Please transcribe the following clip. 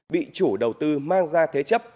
bị chủ đầu tư mang ra thế chấp